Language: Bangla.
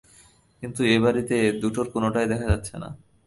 কিন্তু এ-বাড়িতে দুটোর কোনোটাই দেখা যাচ্ছে না।